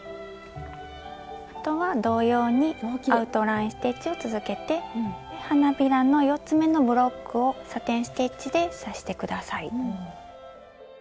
あとは同様にアウトライン・ステッチを続けて花びらの４つ目のブロックをサテン・ステッチで刺して下さい。